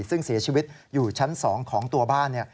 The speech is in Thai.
ซึ่งเสียชีวิตอยู่ชั้น๒ของตัวบ้าน